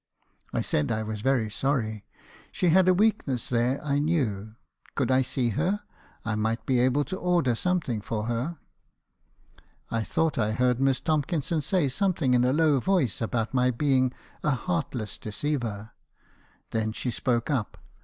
"I said I was very sorry. She had a weakness there, I knew. Could I see her? I might be able to order something for her. "I thought I heard Miss Tomkinson say something in a low voice about my being a heartless deceiver. Then she spoke up.